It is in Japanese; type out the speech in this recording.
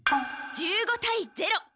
１５対０。